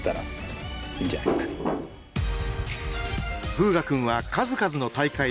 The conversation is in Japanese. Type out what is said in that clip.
風雅君は数々の大会で活躍。